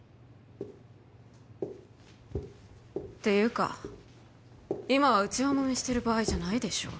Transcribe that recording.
ていうか今は内輪もめしてる場合じゃないでしょう